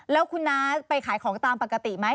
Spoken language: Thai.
แล้วคุณน้าไปขายของตามปกติไหม